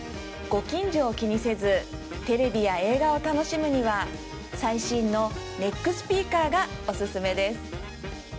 ご近所を気にせずテレビや映画を楽しむには最新のネックスピーカーがオススメです